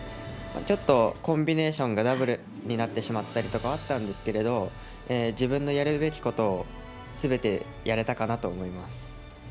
ちょっとコンビネーションがダブルになってしまったりとかはあったんですけど、自分のやるべきことをすべてやれたかなと思います。